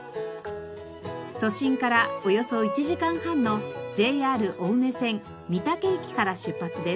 都心からおよそ１時間半のＪＲ青梅線御嶽駅から出発です。